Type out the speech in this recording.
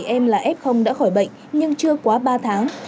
một trăm ba mươi bảy em là f đã khỏi bệnh nhưng chưa quá ba tháng